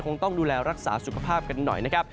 คงต้องดูแลรักษาสุขภาพกันหน่อยนะครับ